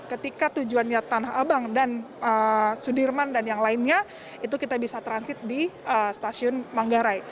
ketika tujuannya tanah abang dan sudirman dan yang lainnya itu kita bisa transit di stasiun manggarai